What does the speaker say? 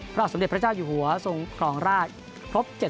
พระบาทสมเด็จพระเจ้าอยู่หัวทรงครองราชครบ๗๐